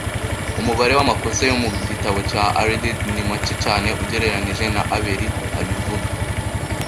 Umubare w'amakosa yo mu gitabo cya Arendt ni make cyane ugereranije na Abeli abivuga